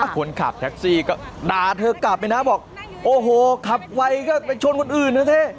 คนขับแท็กซี่ก็ด่าเธอกลับไปนะบอกโอ้โหขับไวก็ไปชนคนอื่นนะเท่